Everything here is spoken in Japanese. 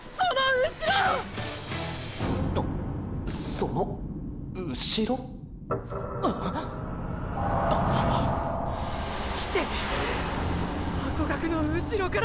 そのうしろ？え⁉来てるハコガクのうしろから！